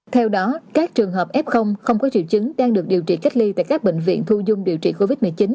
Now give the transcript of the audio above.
theo đó các trường hợp f không có triệu chứng đang được điều trị cách ly tại các bệnh viện thu dung điều trị covid một mươi chín